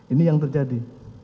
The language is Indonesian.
ini yang terjadi